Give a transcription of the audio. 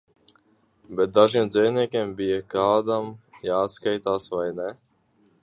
Bet dažiem dzejniekiem bija kādam jāatskaitās, vai ne?